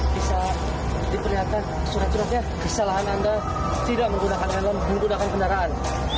bisa diperlihatkan surat suratnya kesalahan anda tidak menggunakan helm menggunakan kendaraan